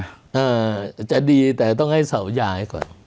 อาจจะดีแต่ต้องให้เสาย้ายก่อน